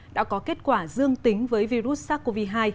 đã có kết quả dương tính với virus sars cov hai